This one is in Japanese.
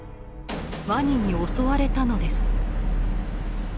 ワニに襲われたのです。